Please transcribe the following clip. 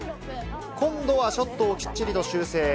今度はショットをきっちりと修正。